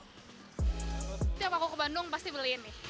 tiap aku ke bandung pasti beliin nih